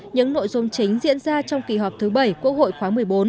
những nội dung chính diễn ra trong kỳ họp thứ bảy quốc hội khóa một mươi bốn